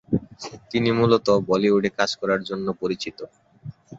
তিনি মূলত বলিউডে কাজ করার জন্য পরিচিত।